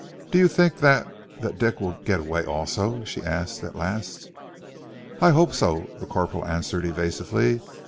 "Do you think that that Dick will get away also?" she asked at last. "I hope so," the corporal answered evasively.